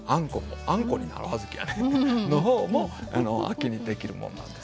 あんこになる小豆やねの方も秋にできるもんなんです。